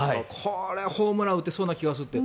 これ、ホームラン打てそうな気がするって。